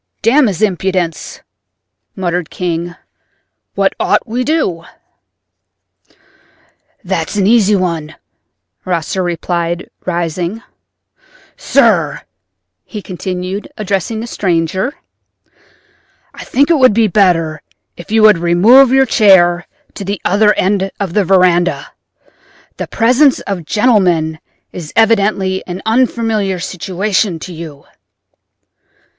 "Damn his impudence!" muttered King—"what ought we to do?" "That's an easy one," Rosser replied, rising. "Sir," he continued, addressing the stranger, "I think it would be better if you would remove your chair to the other end of the veranda. The presence of gentlemen is evidently an unfamiliar situation to you."